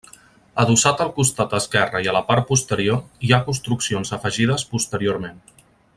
Adossat al costat esquerre i a la part posterior, hi han construccions afegides posteriorment.